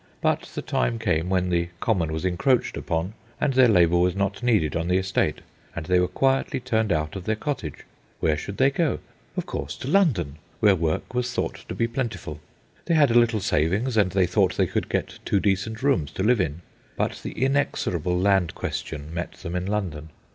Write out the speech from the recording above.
But the time came when the common was encroached upon, and their labour was not needed on the estate, and they were quietly turned out of their cottage. Where should they go? Of course to London, where work was thought to be plentiful. They had a little savings, and they thought they could get two decent rooms to live in. But the inexorable land question met them in London.